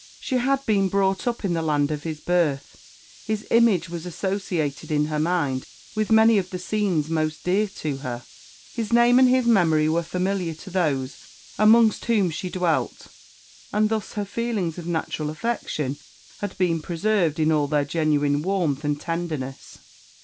She had been brought up in the land of his birth his image was associated in her mind with many of the scenes most dear to her his name and his memory were familiar to those amongst whom she dwelt, and thus her feelings of natural affection had been preserved in all their genuine warmth and tenderness.